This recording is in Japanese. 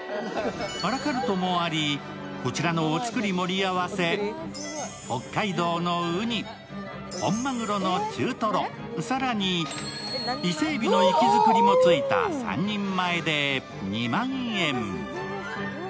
アラカルトもあり、こちらのお造り盛り合せ、北海道のうに、本まぐろの中トロ、伊勢えびの生け作りもついた３人前で２万円。